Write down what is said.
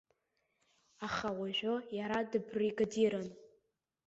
Аха уажәы иара дыбригадирын.